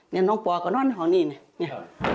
นี่น้องป่าก็นอนของนี่นี่